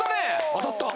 当たったね！